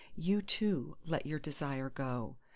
—You, too, let your desire go!